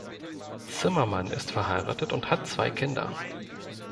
Zimmermann ist verheiratet und hat zwei Kinder.